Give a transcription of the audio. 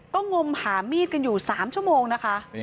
ก็งมหามีดกันอยู่๓ชั่วโมงนะคะ